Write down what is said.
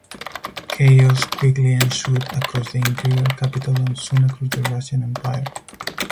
Chaos quickly ensued across the Imperial capital and soon across the Russian Empire.